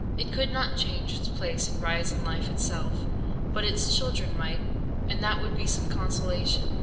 It could not change its place and rise in life itself, but its children might, and that would be some consolation.